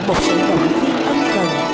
một sự động viên âm cần